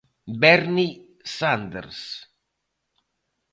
Bernie Sanders.